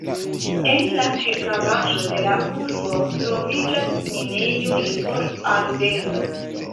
En la ĉirkaŭaĵo de la urbo troviĝas minejoj por ardezo.